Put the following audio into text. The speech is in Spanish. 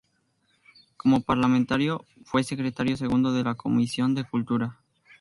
Como parlamentario, fue secretario segundo de la Comisión de Cultura.